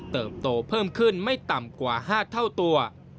โตเพิ่มขึ้นไม่ต่ำกว่า๕เท่าตัว